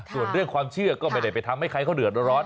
ส่วนเรื่องความเชื่อก็ไม่ได้ไปทำให้ใครเขาเดือดร้อน